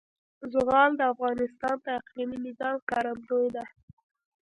زغال د افغانستان د اقلیمي نظام ښکارندوی ده.